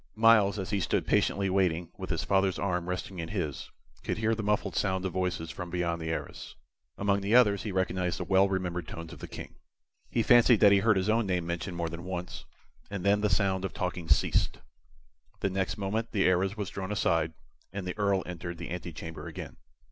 Myles, as he stood patiently waiting, with his father's arm resting in his, could hear the muffled sound of voices from beyond the arras. Among others, he recognized the well remembered tones of the King. He fancied that he heard his own name mentioned more than once, and then the sound of talking ceased. The next moment the arras was drawn aside, and the Earl entered the antechamber again.